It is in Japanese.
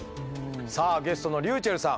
さあゲストのｒｙｕｃｈｅｌｌさん